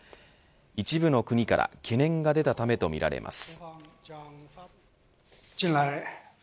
一部の国から懸念が出たためとみられます。